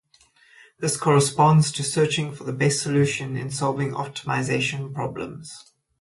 This corresponds to searching for the best solution in solving optimization problems.